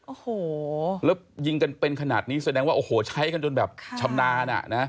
โอ้โหแล้วยิงกันเป็นขนาดนี้แสดงว่าโอ้โหใช้กันจนแบบชำนาญอ่ะนะ